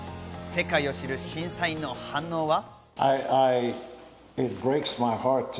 世界を知る審査員の反応は？